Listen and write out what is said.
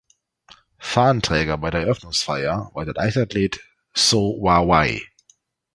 Fahnenträger bei der Eröffnungsfeier war der Leichtathlet So Wa Wei.